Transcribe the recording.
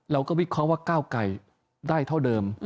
วิเคราะห์ว่าก้าวไก่ได้เท่าเดิม